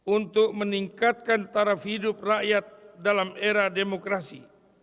untuk meningkatkan taraf hidup rakyat dalam era demokrasi